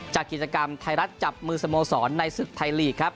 จากกิจกรรมท้ายรัฐจับมือสโมสรในศึกท้ายลีกครับ